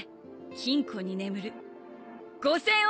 金庫に眠る５，０００億